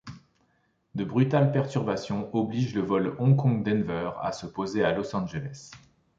De brutales perturbations obligent le vol Hong Kong-Denver à se poser à Los Angeles.